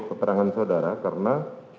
keterangan saudara karena